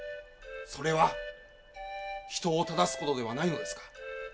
それは人を正す事ではないのですか？